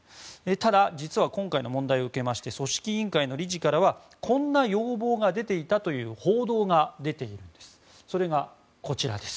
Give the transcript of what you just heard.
ただ、実は今回の問題を受けまして組織委員会の理事からはこんな要望が出ていたという報道が出ています。